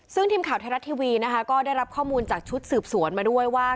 ซึ่งทีมข่าวไทยรัฐทีวีนะคะก็ได้รับข้อมูลจากชุดสืบสวนมาด้วยว่า